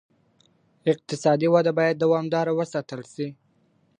اقتصادي وده باید دوامداره وساتل سي.